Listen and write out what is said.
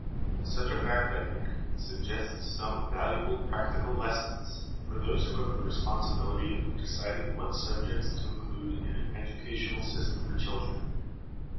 Such a fact, I think, suggests some valuable practical lessons for those who have the responsibility of deciding what subjects to include in an educational system for children."